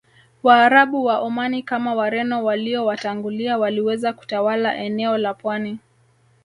Waarabu wa Omani kama Wareno waliowatangulia waliweza kutawala eneo la pwani